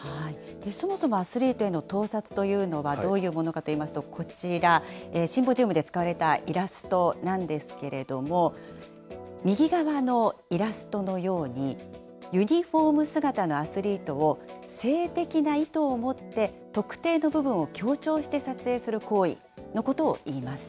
そもそもアスリートへの盗撮というのは、どういうものかといいますと、こちら、シンポジウムで使われたイラストなんですけれども、右側のイラストのように、ユニホーム姿のアスリートを性的な意図をもって特定の部分を強調して撮影する行為のことをいいます。